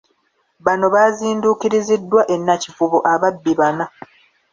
Bano baazinduukiriziddwa e Nakivubo ababbi bana.